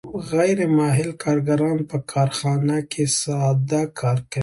غیر ماهر کارګران په کارخانه کې ساده کار کوي